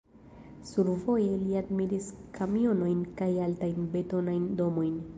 Survoje li admiris kamionojn kaj altajn betonajn domojn.